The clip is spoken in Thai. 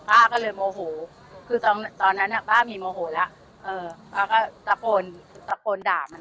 ป้าก็เลยโมโหคือตอนตอนนั้นป้ามีโมโหแล้วเออป้าก็ตะโกนตะโกนด่ามัน